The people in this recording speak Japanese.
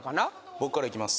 僕からいきます